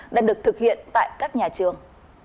đang được thực hiện tại các nhà trường